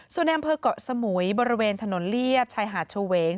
ส่วนในอำเภอกเกาะสมุยบริเวณถนนเลียบชายหาดเฉวง